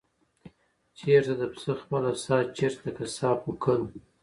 چېرته د پسه خپله ساه، چېرته د قصاب پوکل؟